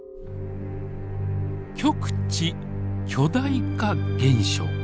極地巨大化現象。